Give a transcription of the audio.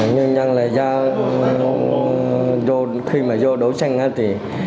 nhiều nhân là do khi mà vô đấu tranh